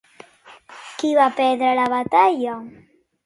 Qui va perdre la batalla?